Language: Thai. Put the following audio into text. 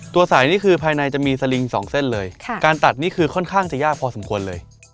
สายนี่คือภายในจะมีสลิงสองเส้นเลยการตัดนี่คือค่อนข้างจะยากพอสมควรเลย